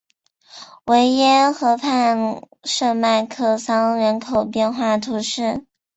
维耶河畔圣迈克桑人口变化图示